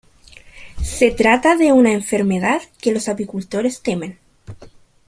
Se trata de una enfermedad que los apicultores temen.